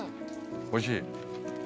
おいしい？